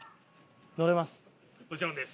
乗れます？